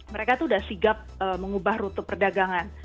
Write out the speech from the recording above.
mereka itu sudah sigap mengubah rute perdagangan